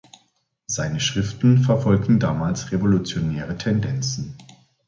Seine Schriften verfolgten damals revolutionäre Tendenzen.